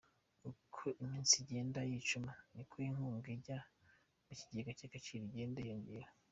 Uko iminsi igenda yicuma niko inkunga ijya mu kigega cy’Agaciro igenda yiyongera